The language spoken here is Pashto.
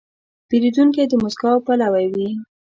پیرودونکی د موسکا پلوی وي.